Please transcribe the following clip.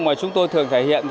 mà chúng tôi thường thể hiện